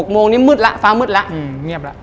๖โมงนี้มืดแล้วฟ้ามืดแล้ว